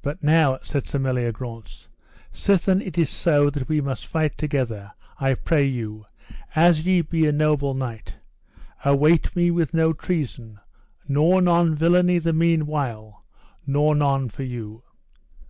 But now, said Sir Meliagrance, sithen it is so that we must fight together, I pray you, as ye be a noble knight, await me with no treason, nor none villainy the meanwhile, nor none for you.